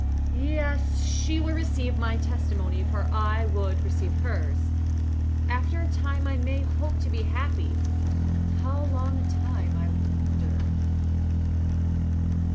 Yes, she will receive my testimony, for I would receive hers. After a time I may hope to be happy. How long a time, I wonder?"